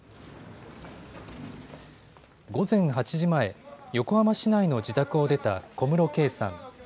午前８時前、横浜市内の自宅を出た小室圭さん。